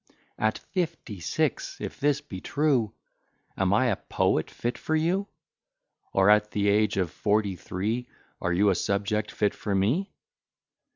At fifty six, if this be true, Am I a poet fit for you? Or, at the age of forty three, Are you a subject fit for me?